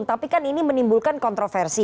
tapi kan ini menimbulkan kontroversi